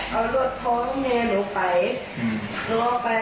แม่แม่แม่โดนละลูกเอาหวากไห้